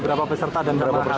berapa peserta dan berapa